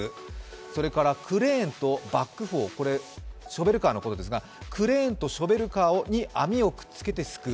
それからクレーンとバックホウ、これ、ショベルカーのことですが、クレーンとショベルカーに網をくっつけてすくう。